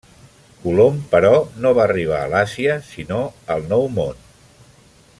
Colom, però, no va arribar a l'Àsia, sinó al Nou Món.